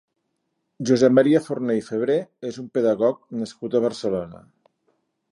Josep Maria Forné i Febrer és un pedagog nascut a Barcelona.